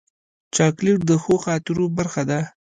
چاکلېټ د ښو خاطرو برخه ده.